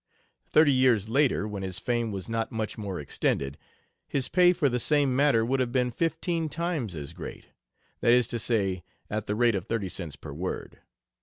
Thirty years later, when his fame was not much more extended, his pay for the same matter would have been fifteen times as great, that is to say, at the rate of thirty cents per word.